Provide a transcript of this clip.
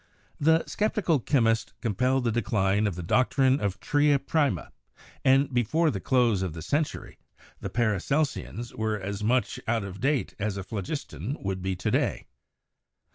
The 'Sceptical Chymist' compelled the decline of the doctrine of the 'tria prima,' and before the close of the century the Paracelsians were as much out of date as a Phlogistian would be to day.